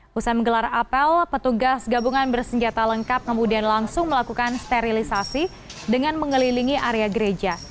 pusat menggelar apel petugas gabungan bersenjata lengkap kemudian langsung melakukan sterilisasi dengan mengelilingi area gereja